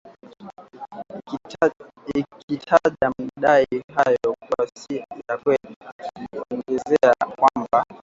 ikitaja madai hayo kuwa si ya kweli ikiongezea kwamba